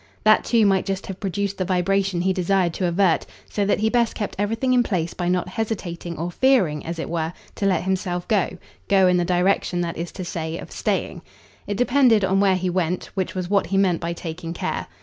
That too might just have produced the vibration he desired to avert; so that he best kept everything in place by not hesitating or fearing, as it were, to let himself go go in the direction, that is to say, of staying. It depended on where he went; which was what he meant by taking care.